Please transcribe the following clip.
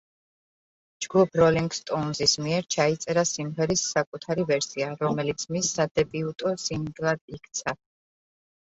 ჯგუფ როლინგ სტოუნზის მიერ ჩაიწერა სიმღერის საკუთარი ვერსია, რომელიც მის სადებიუტო სინგლად იქცა.